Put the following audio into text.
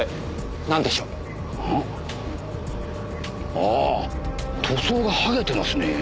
あぁ塗装がはげてますね。